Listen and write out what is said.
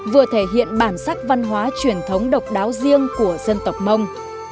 vừa thể hiện bản sắc văn hóa truyền thống độc đáo riêng của dân tộc mông